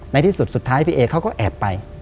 ในที่สุดสุดท้ายพี่เอเขาก็แอบไป